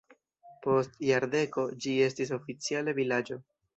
Post jardeko ĝi estis oficiale vilaĝo.